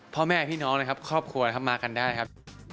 พ่อแม่พี่น้องครอบครัวมากันได้ครับ